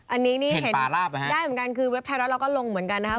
อันนี้นี่เห็นได้เหมือนกันคือเว็บไทยรัฐเราก็ลงเหมือนกันนะครับ